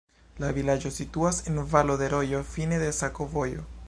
La vilaĝo situas en valo de rojo, fine de sakovojo.